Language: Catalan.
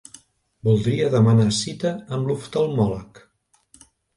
Voldria demanar cita amb l'oftalmòleg.